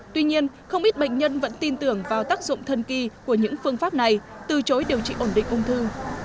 tuy nhiên không ít bệnh nhân vẫn tin tưởng vào tác dụng thân kỳ của những phương pháp này từ chối điều trị ổn định ung thư